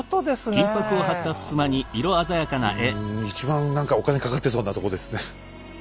うわもう一番何かお金かかってそうなとこですね。